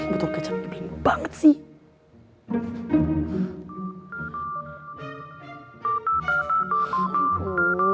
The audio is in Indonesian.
betul kecap ini bingung banget sih